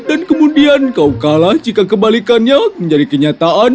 dan kemudian kau kalah jika kebalikannya menjadi kenyataan